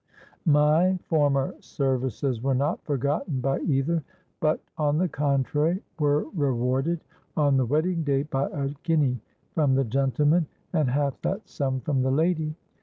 My former services were not forgotten by either; but, on the contrary, were rewarded on the wedding day by a guinea from the gentleman and half that sum from the lady.